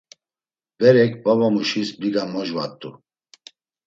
Berek babamuşis biga mojvat̆u.